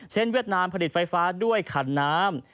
เวียดนามผลิตไฟฟ้าด้วยขันน้ำ